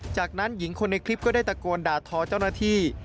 จากนั้นหญิงคนในคลิปก็ได้ตะโกนด่าทอเจ้าหน้าที่